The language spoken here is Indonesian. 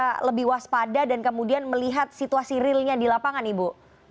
supaya lebih waspada dan kemudian melihat situasi realnya di lapangan ibu